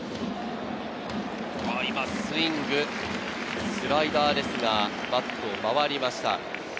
今、スイング、スライダーですが、バットが回りました。